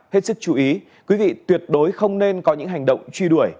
hết sức chú ý quý vị tuyệt đối không nên có những hành động truy đuổi